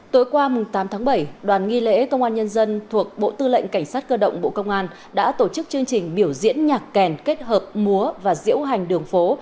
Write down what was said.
tối qua tám tháng bảy đoàn nghi lễ công an nhân dân thuộc bộ tư lệnh cảnh sát cơ động bộ công an đã tổ chức chương trình biểu diễn nhạc kèn kết hợp múa và diễu hành đường phố